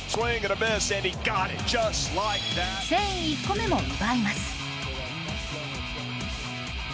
１００１個目も奪います。